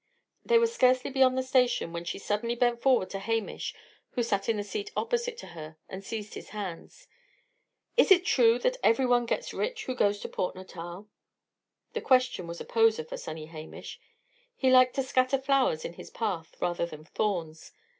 They were scarcely beyond the station when she suddenly bent forward to Hamish, who sat on the seat opposite to her, and seized his hands. "Is it true that every one gets rich who goes to Port Natal?" The question was a poser for sunny Hamish. He liked to scatter flowers in his path, rather than thorns.